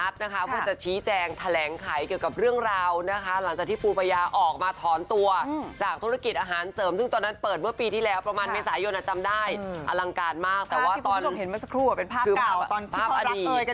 ดูสัมภาษาประหลาด